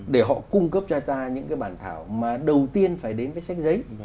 để họ cung cấp cho ta những cái bản thảo mà đầu tiên phải đến với sách giấy